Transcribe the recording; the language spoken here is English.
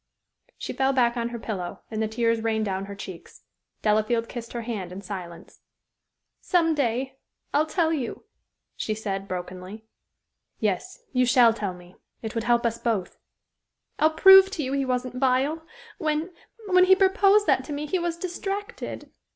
She fell back on her pillow and the tears rained down her cheeks. Delafield kissed her hand in silence. "Some day I'll tell you," she said, brokenly. "Yes, you shall tell me. It would help us both." "I'll prove to you he wasn't vile. When when he proposed that to me he was distracted.